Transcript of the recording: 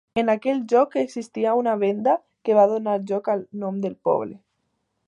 En aquell lloc existia una venda que va donar lloc al nom del poble.